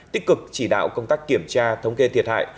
tích cực chỉ đạo công tác kiểm tra thống kê thiệt hại